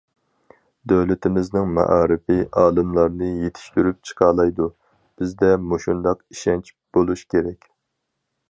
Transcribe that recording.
دۆلىتىمىزنىڭ مائارىپى ئالىملارنى يېتىشتۈرۈپ چىقالايدۇ، بىزدە مۇشۇنداق ئىشەنچ بولۇش كېرەك!